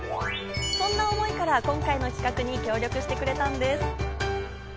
そんな思いから今回の企画に協力してくれたんです。